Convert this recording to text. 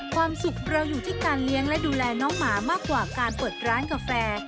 ความสุขเราอยู่ที่การเลี้ยงและดูแลน้องหมามากกว่าการเปิดร้านกาแฟ